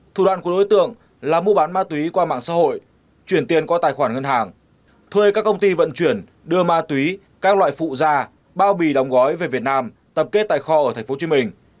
thủ đoạn của đối tượng là mua bán ma túy qua mạng xã hội chuyển tiền qua tài khoản ngân hàng thuê các công ty vận chuyển đưa ma túy các loại phụ ra bao bì đóng gói về việt nam tập kết tài kho ở tp hcm